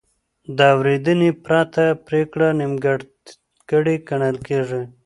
د اورېدنې پرته پرېکړه نیمګړې ګڼل کېږي.